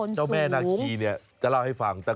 เจ้าแม่นาคีเนี่ยจะเล่าให้ฟัง